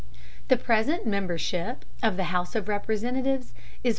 The present membership of the House of Representatives is 435.